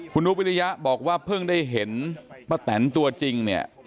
คุณอุ๊บวิริยะบอกว่าเพิ่งได้เห็นป้าแตนตัวจริงเนี่ย